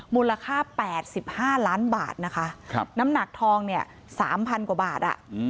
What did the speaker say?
มูลค่า๘๕ล้านบาทน้ำหนักทอง๓๐๐๐กว่าบาท